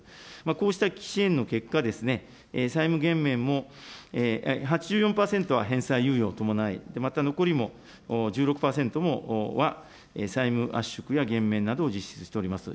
こうした支援の結果、債務減免も８４％は返済猶予を伴い、また残りも１６％は債務圧縮や減免などを実施しております。